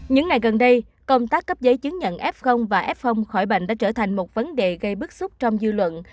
những ngày gần đây công tác cấp giấy chứng nhận f và f khỏi bệnh đã trở thành một vấn đề gây bức xúc trong dư luận